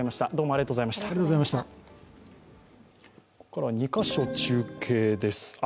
ここからは２カ所中継です。